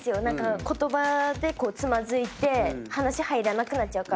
言葉でつまずいて話入らなくなっちゃうから。